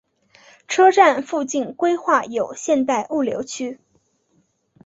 车站附近规划有现代物流区。